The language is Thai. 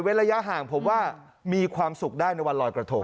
ระยะห่างผมว่ามีความสุขได้ในวันลอยกระทง